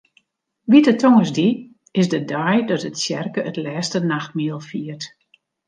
Wite Tongersdei is de dei dat de tsjerke it Lêste Nachtmiel fiert.